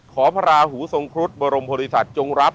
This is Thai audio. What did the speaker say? พระราหูทรงครุฑบรมบริษัทจงรับ